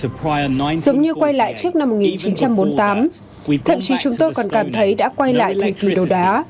giống như quay lại trước năm một nghìn chín trăm bốn mươi tám thậm chí chúng tôi còn cảm thấy đã quay lại thời kỳ đầu đá